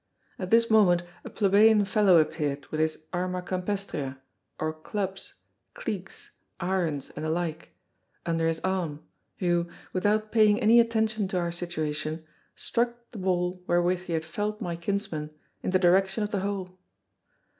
At this moment a plebeian fellow appeared with his arma campestria, or clubs, cleeks, irons, and the like, under his arm, who, without paying any attention to our situation, struck the ball wherewith he had felled my kinsman in the direction of the hole.